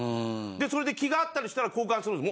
でそれで気が合ったりしたら交換するんです。